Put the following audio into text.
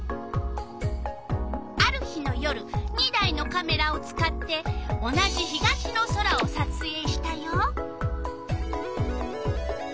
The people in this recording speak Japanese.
ある日の夜２台のカメラを使って同じ東の空をさつえいしたよ。